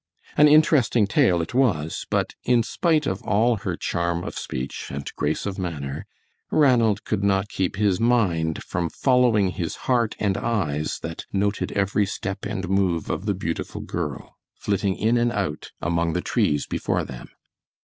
An interesting tale it was, but in spite of all her charm of speech, and grace of manner, Ranald could not keep his mind from following his heart and eyes that noted every step and move of the beautiful girl, flitting in and out among the trees before them.